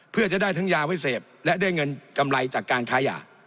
เพื่อจะได้ทั้งยาไว้เสพและได้เงินกำไรจากการค้ายา